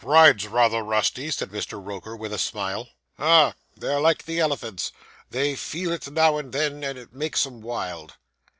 'Rides rather rusty,' said Mr. Roker, with a smile. 'Ah! they're like the elephants. They feel it now and then, and it makes 'em wild!